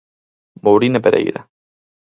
Mourín e Pereira.